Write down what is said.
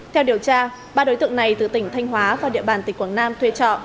theo điều tra ba đối tượng này từ tỉnh thanh hóa vào địa bàn tỉnh quảng nam thuê trọ